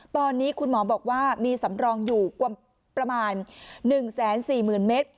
ตอนนี้คุณหมอบอกว่ามีสำรองอยู่ประมาณ๑๔๐๐๐เมตร